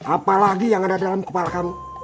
apalagi yang ada dalam kepala kami